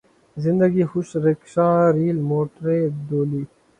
زندگی خوشی rickshaw rail موٹریں ڈولی